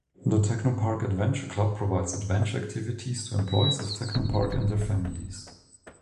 The Technopark Adventure Club provides adventure activities to employees of Technopark and their families.